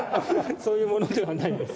そういうものではないです。